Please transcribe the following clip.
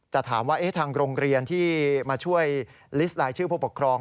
จะถามว่าทางโรงเรียนที่มาช่วยลิสต์ลายชื่อผู้ปกครอง